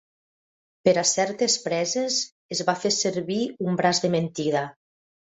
Per a certes preses es va fer servir un braç de mentida.